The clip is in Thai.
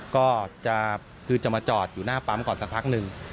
ก็คือจะมาจอดอยู่หน้าปั๊มก่อนสักพักหนึ่ง